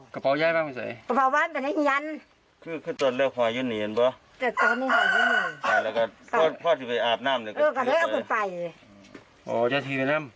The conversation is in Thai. กระเป๋าไว้เป็นอีกนิดนึงพ่อถือไปอาบน้ำ